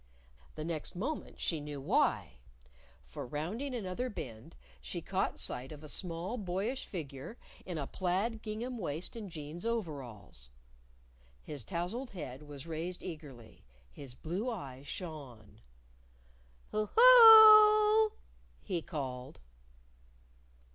The next moment she knew why! For rounding another bend, she caught sight of a small boyish figure in a plaid gingham waist and jeans overalls. His tousled head was raised eagerly. His blue eyes shone. "Hoo hoo oo oo!" he called.